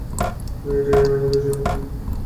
এটা আমদের জন্য!